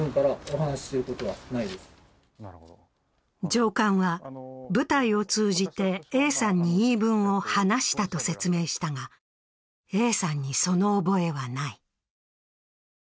上官は、部隊を通じてＡさんに言い分を話したと説明したが、Ａさんにその覚えはない。